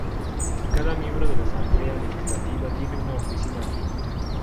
Cada miembro de la Asamblea Legislativa tiene una oficina aquí.